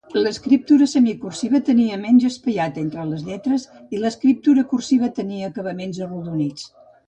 L'escriptura semicursiva tenia menys espaiat entre les lletres i l'escriptura cursiva tenia acabaments arrodonits.